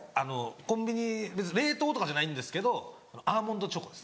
コンビニ冷凍とかじゃないんですけどアーモンドチョコです。